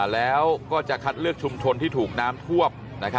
แล้วก็จะคัดเลือกชุมชนที่ถูกน้ำท่วม